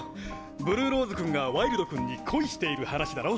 ブルーローズ君がワイルド君に恋している話だろ？